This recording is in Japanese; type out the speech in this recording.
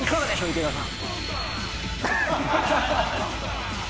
池田さん